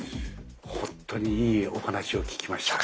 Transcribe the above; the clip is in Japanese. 本当にいいお話を聞きました。